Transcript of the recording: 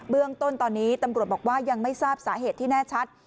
เรื่องต้นตอนนี้ตำรวจบอกว่ายังไม่ทราบสาเหตุที่แน่ชัด